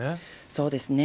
そうですね。